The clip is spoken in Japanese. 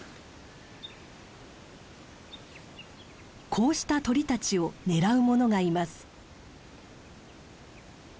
こうした鳥たちを狙うものがいます。